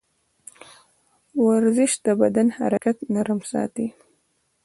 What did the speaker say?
ورزش د بدن حرکات نرم ساتي.